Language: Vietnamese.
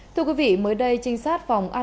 thưa quý vị mới đây trinh sát phòng an ninh mạng